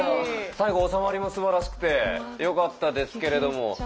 最後おさまりもすばらしくてよかったですけれども。